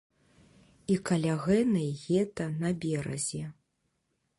І каля гэнай гета на беразе.